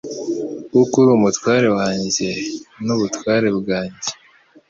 Kuko uri umutware wanjye n'ubutware bwanjye